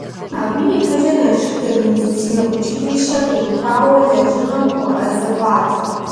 Абы ипэкӀэ Налшык дэт медицинэ училищэр къиухауэ лэжьыгъэм хуэӀэзэ хъуат.